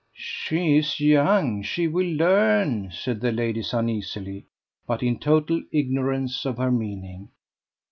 "She is young: she will learn," said the ladies uneasily, but in total ignorance of her meaning.